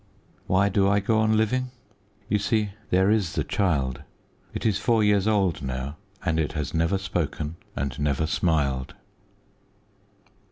Why do I go on living? You see, there is the child. It is four years old now, and it has never spoken and never smiled.